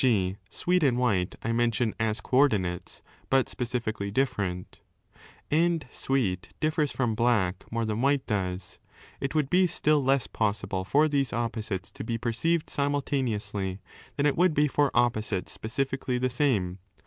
ij. sweet and white I mention as co ordinates, but specifically different), and sweet differs from black more than white does, it would be still less possible for these opposites to be perceived simultaneously than it would be for opposites specifically the same.